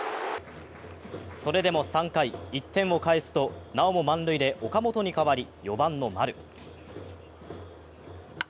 それでも３回、１点を返すとなおも満塁で岡本に代わり、４番の丸。